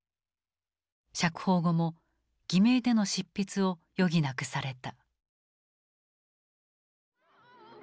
釈放後も偽名での執筆を余儀なくされた。